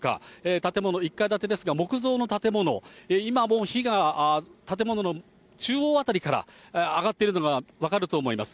建物、１階建てですが、木造の建物、今、もう火が建物の中央辺りから上がっているのが分かると思います。